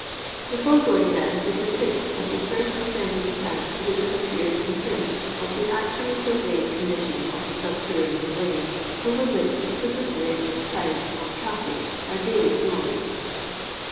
The foregoing, then, is the piih of the fiift authentic account which has appeared in print of the actually surveyed condition of the snbttf ranean ways, over which the super terraiMn tides of traflic are daily flowing.